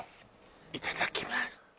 いただきます